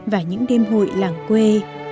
và những đêm hội làng quê